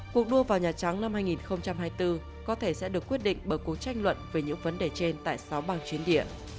cuộc đua vào nhà trắng năm hai nghìn hai mươi bốn có thể sẽ được quyết định bởi cuộc tranh luận về những vấn đề trên tại sáu bang chiến địa